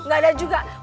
gak ada juga